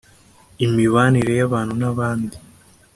imibanire y‟abantu n‟abandi